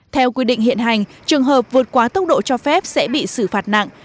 theo quy định hiện hành trường hợp vượt quá tốc độ cho phép sẽ bị xử phạt nặng